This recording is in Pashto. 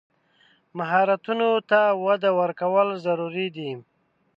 مهارتونو ته وده ورکول ضروري دي.